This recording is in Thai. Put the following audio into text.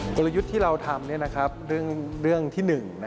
กลยุทธ์ที่เราทำเรื่องที่๑